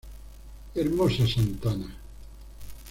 Hermosa Santana!